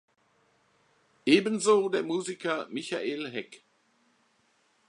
Ebenso der Musiker Michael Heck.